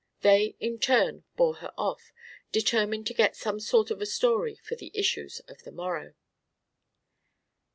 They in turn bore her off, determined to get some sort of a story for the issues of the morrow.